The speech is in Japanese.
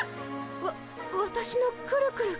わわたしのくるくるが。